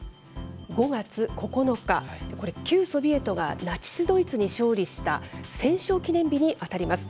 ５月９日、これ、旧ソビエトがナチス・ドイツに勝利した戦勝記念日に当たります。